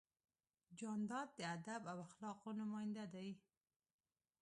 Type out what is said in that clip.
جانداد د ادب او اخلاقو نماینده دی.